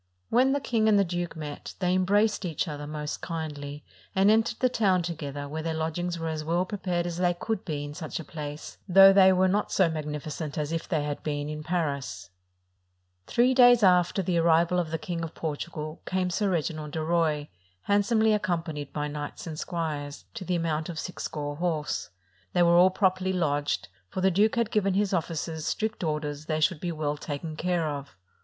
When the king and 578 A JOUST AT THE COURT OF PORTUGAL the duke met, they embraced each other most kindly, and entered the town together, where their lodgings were as well prepared as they could be in such a place, though they were not so magnificent as if they had been in Paris. Three days after the arrival of the King of Portugal, came Sir Reginald de Roye, handsomely ac companied by knights and squires, to the amount of six score horse. They were all properly lodged ; for the duke had given his ofl&cers strict orders they should be well taken care of.